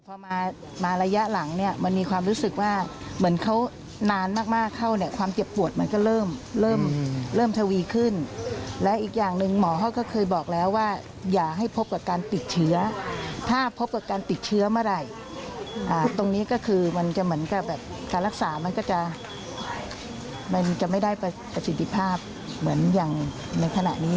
พอมาระยะหลังเนี่ยมันมีความรู้สึกว่าเหมือนเขานานมากเข้าเนี่ยความเจ็บปวดมันก็เริ่มเริ่มทวีขึ้นและอีกอย่างหนึ่งหมอเขาก็เคยบอกแล้วว่าอย่าให้พบกับการติดเชื้อถ้าพบกับการติดเชื้อเมื่อไหร่ตรงนี้ก็คือมันจะเหมือนกับแบบการรักษามันก็จะมันจะไม่ได้ประสิทธิภาพเหมือนอย่างในขณะนี้